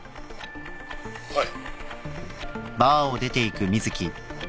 はい。